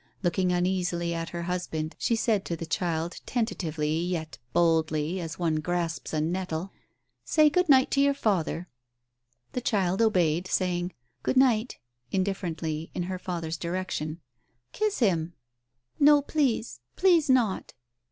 Looking uneasily at her husband, she said to the child tentatively, yet boldly, as one grasps a nettle, "Say good night to your father !" The child obeyed, saying, "Good night" indifferently in her father's direction. "Kiss him !" Digitized by Google THE PRAYER 105 "No, please — please not."